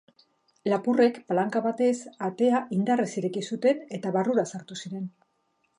Lapurrek palanka batez atea indarrez ireki zuten eta barrura sartu ziren.